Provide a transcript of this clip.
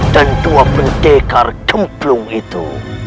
dan dua pendekar gemplung itu